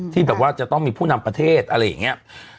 ที่แบบว่าจะต้องมีผู้นำประเทศอะไรอย่างนี้